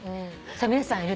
皆さん「いる」